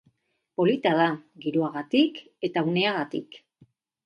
Polita da, giroagatik eta uneagatik.